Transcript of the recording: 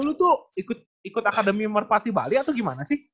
dulu tuh ikut akademi merpati bali atau gimana sih